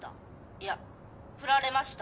いやフラれました